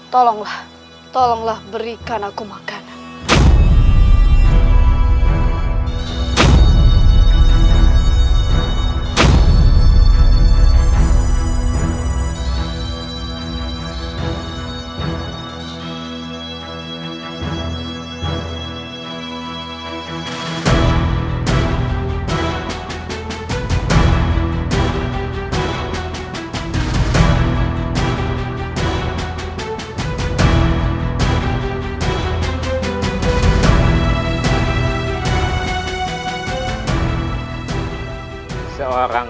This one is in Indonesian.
tolonglah tolonglah berikan aku makanan